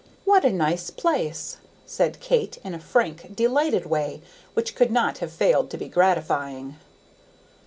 "What a nice place!" said Kate in a frank, delighted way which could not have failed to be gratifying.